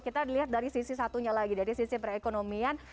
kita lihat dari sisi satunya lagi dari sisi perekonomian